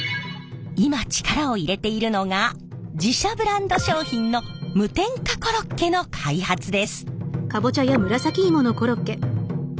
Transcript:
今力を入れているのが自社ブランド商品の無添加コロッケの開発です。